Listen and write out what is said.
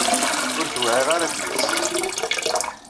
Ur t-wɛiɣ ara ad d-yas.